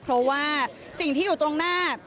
เพราะว่าสิ่งที่อยู่ตรงหน้า